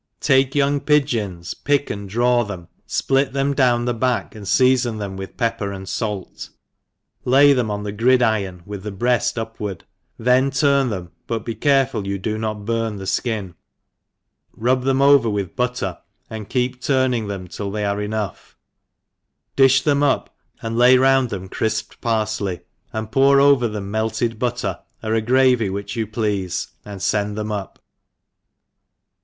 TAKE young pigeons, pick and draw them, fplit them down the back, and feafon them with pepper and fait, lay them on the gridiron with the brcaft upward, then turn them, but be care ful you do not burn the fkin, rub them over with batter, and keep turning them till they are enough, di(h them up, and lay round them crifped parfley, and pour over them melted but ter, or gravy which you pleafe, and fend them up.